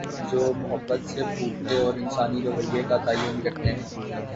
جومحبت سے پھوٹتے اور انسانی رویے کا تعین کر تے ہیں۔